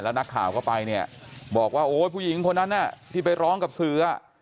และนักข่าก็ไปบอกว่าโอ้ยผู้หญิงคนนั้นที่ไปร้องเนี่ยกับเสือ